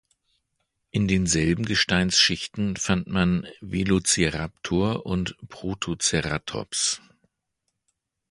In denselben Gesteinsschichten fand man "Velociraptor" und "Protoceratops".